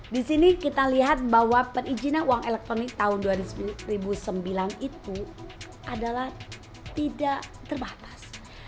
di sini kita lihat bahwa perizinan uang elektronik tahun dua ribu sembilan itu adalah tidak terbatas